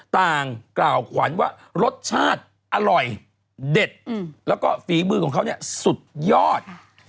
กล่าวขวัญว่ารสชาติอร่อยเด็ดแล้วก็ฝีมือของเขาเนี่ยสุดยอด